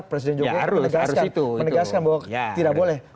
presiden jokowi menegaskan bahwa tidak boleh